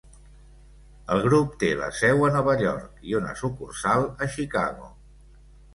El grup té la seu a Nova York i una sucursal a Chicago.